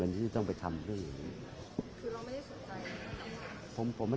เพราะโมนใหม่ก็เป็นแบบนั้น